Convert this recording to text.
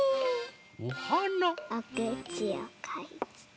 おくちをかいて。